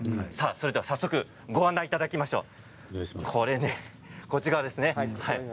早速ご案内いただきましょう。